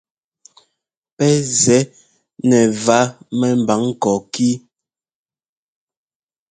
Pɛ́ zɛ́ nɛ vǎ mɛ́mbǎŋ kɔɔkí.